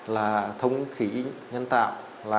là thống khí nhân tạo